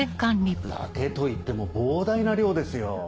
「だけ」といっても膨大な量ですよ